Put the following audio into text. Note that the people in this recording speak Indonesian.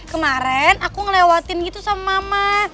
kemarin aku ngelewatin gitu sama mama